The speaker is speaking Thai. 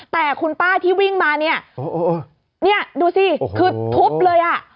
แต่คุณป้าที่วิ่งมาเนี่ยนี่ดูสิคือทุบเลยอ่ะ